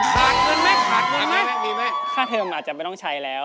ขาดเงินไหมคาเทอมอาจจะไม่ต้องใช้แล้ว